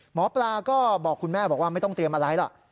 หมอปลาก็บอกคุณแม่บอกว่าไม่ต้องเตรียมอะไรหรอก